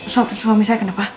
suami saya kenapa